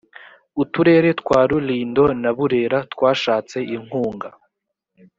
uturere twa rulindo na burera twashatse inkunga